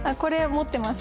持ってます。